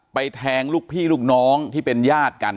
แทงลูกพี่ลูกน้องที่เป็นญาติกัน